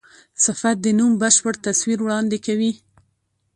صفت د نوم بشپړ تصویر وړاندي کوي.